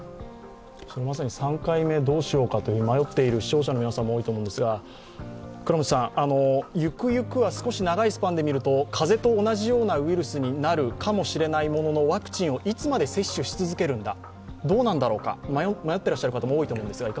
まさに３回目どうしようかと迷っている視聴者の皆さんも多いと思うんですが、ゆくゆくは少し長いスパンで見るとかぜと同じようなウイルスになるようなもののワクチンをいつまで接種し続けるのか、どうなんだろうか、迷ってらっしゃる方も多いと思うんですが。